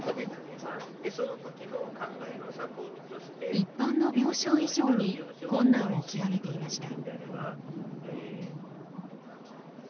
一般の病床以上に困難を極めていました。